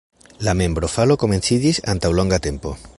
La membrofalo komenciĝis antaŭ longa tempo.